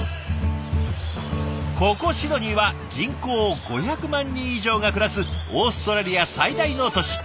ここシドニーは人口５００万人以上が暮らすオーストラリア最大の都市。